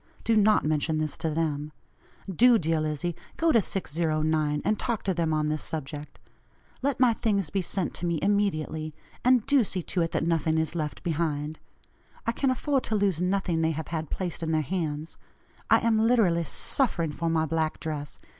(Do not mention this to them.) Do, dear Lizzie, go to 609, and talk to them on this subject. Let my things be sent to me immediately, and do see to it, that nothing is left behind. I can afford to lose nothing they have had placed in their hands. I am literally suffering for my black dress.